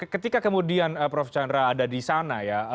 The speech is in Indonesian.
ketika kemudian prof chandra ada di sana ya